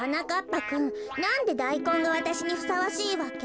ぱくんなんでダイコンがわたしにふさわしいわけ？